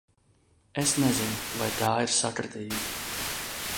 Es nezinu, vai tā ir sakritība.